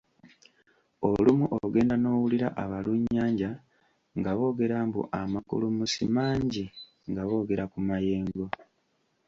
Olumu ogenda n’owulira abalunnyanja nga boogera mbu amakulumusi mangi nga boogera ku mayengo.